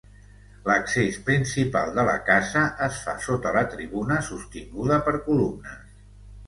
L'accés principal de la casa es fa sota la tribuna sostinguda per columnes.